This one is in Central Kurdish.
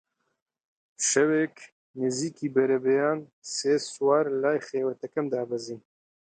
شەوێک نزیکی بەربەیان سێ سوار لای خێوەتەکەم دابەزین